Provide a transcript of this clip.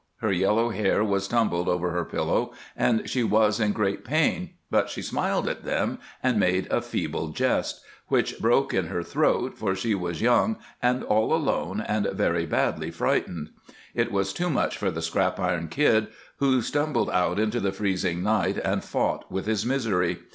Her yellow hair was tumbled over her pillow and she was in great pain, but she smiled at them and made a feeble jest which broke in her throat, for she was young and all alone and very badly frightened. It was too much for the Scrap Iron Kid, who stumbled out into the freezing night and fought with his misery.